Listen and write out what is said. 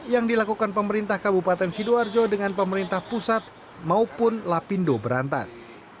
yang dilakukan pemerintah kabupaten sidoarjo dengan pemerintah pusat maupun lapindo berantas